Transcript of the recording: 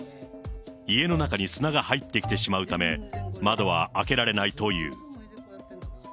家の中に砂が入ってきてしまうため、窓は開けられないという。